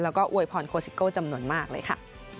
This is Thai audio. แล้วก็อวยพรโคซิโก้จำนวนมากเลยค่ะ